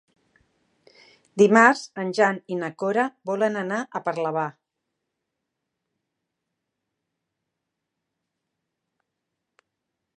Dimarts en Jan i na Cora volen anar a Parlavà.